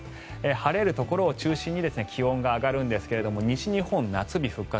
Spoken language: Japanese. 晴れるところを中心に気温が上がるんですが西日本、夏日復活。